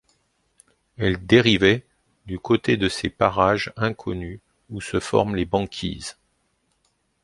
Elle dérivait du côté de ces parages inconnus où se forment les banquises!